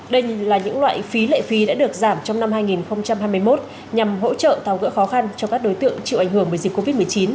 đây là những loại phí lệ phí đã được giảm trong năm hai nghìn hai mươi một nhằm hỗ trợ tháo gỡ khó khăn cho các đối tượng chịu ảnh hưởng bởi dịch covid một mươi chín